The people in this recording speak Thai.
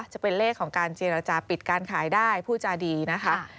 จะเป็นเลขของการเจรจาปิดการขายได้ผู้จาดีนะคะ